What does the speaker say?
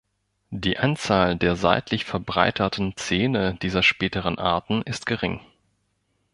Die Anzahl der seitlich verbreiterten Zähne dieser späteren Arten ist gering.